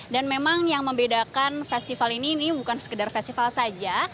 dan memang yang membedakan festival ini bukan sekedar festival saja